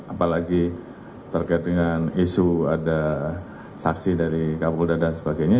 apalagi terkait dengan isu ada saksi dari kapolda dan sebagainya